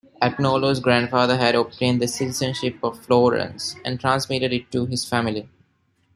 Agnolo's grandfather had obtained the citizenship of Florence and transmitted it to his family.